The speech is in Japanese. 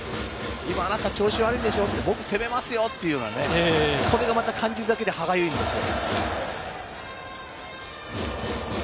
今、あなた調子悪いでしょ、僕、攻めますよというような、それがまた感じるだけで歯がゆいんですよ。